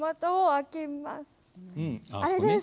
あれです。